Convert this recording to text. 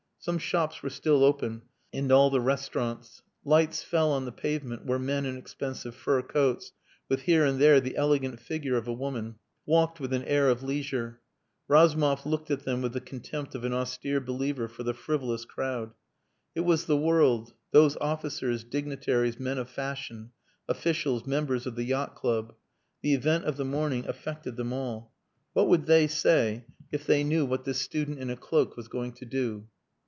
Some shops were still open, and all the restaurants. Lights fell on the pavement where men in expensive fur coats, with here and there the elegant figure of a woman, walked with an air of leisure. Razumov looked at them with the contempt of an austere believer for the frivolous crowd. It was the world those officers, dignitaries, men of fashion, officials, members of the Yacht Club. The event of the morning affected them all. What would they say if they knew what this student in a cloak was going to do?